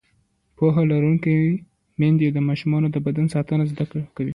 پوهه لرونکې میندې د ماشومانو د بدن ساتنه زده کوي.